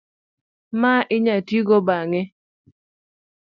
ma inyalo tigo bang'e